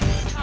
aku mau lihat